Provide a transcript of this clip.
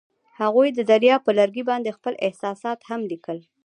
هغوی د دریا پر لرګي باندې خپل احساسات هم لیکل.